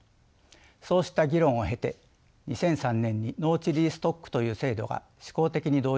そうした議論を経て２００３年に農地リース特区という制度が試行的に導入されました。